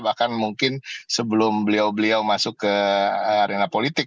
bahkan mungkin sebelum beliau beliau masuk ke arena politik